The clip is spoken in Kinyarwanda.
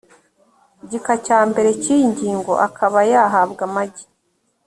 gika cya mbere cy iyi ngingo akaba yahabwa amagi